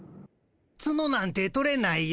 ツノなんて取れないよ。